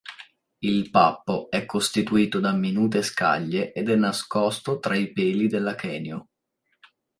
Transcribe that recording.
Il pappo è costituito da minute scaglie ed è nascosto tra i peli dell'achenio.